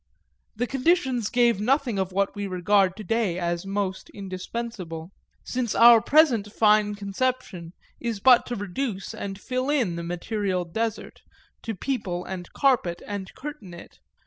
The conditions gave nothing of what we regard to day as most indispensable since our present fine conception is but to reduce and fill in the material desert, to people and carpet and curtain it.